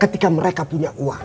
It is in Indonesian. ketika mereka punya uang